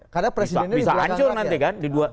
karena presidennya diperlukan rakyat